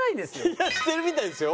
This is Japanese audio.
いやしてるみたいですよ。